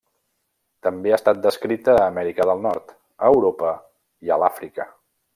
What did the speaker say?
També ha estat descrita a Amèrica del Nord, a Europa i a l'Àfrica.